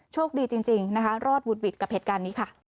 โชคดีจริงนะคะรอดหวุดหวิดกับเหตุการณ์นี้ค่ะ